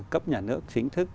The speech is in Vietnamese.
cấp nhà nước chính thức